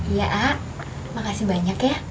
iya mak kasih banyak ya